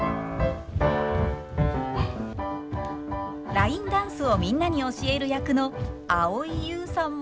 ラインダンスをみんなに教える役の蒼井優さんも。